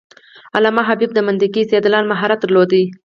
علامه حبيبي د منطقي استدلال مهارت درلود.